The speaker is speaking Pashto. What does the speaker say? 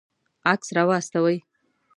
عکس راواستوئ